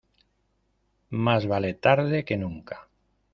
Más vale tarde que nunca.